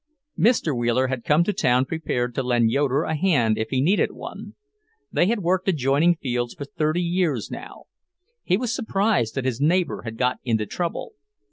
Mr. Wheeler had come to town prepared to lend Yoeder a hand if he needed one. They had worked adjoining fields for thirty years now. He was surprised that his neighbour had got into trouble.